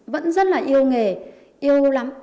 vẫn rất là yêu nghề yêu lắm